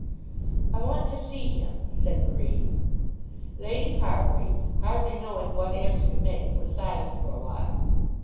"I want to see him," said Marie. Lady Carbury, hardly knowing what answer to make, was silent for a while.